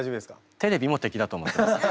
テレビも敵だと思ってます。